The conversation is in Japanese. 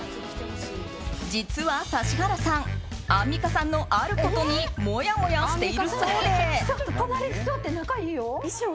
実は指原さん、アンミカさんのあることにもやもやしているそうです。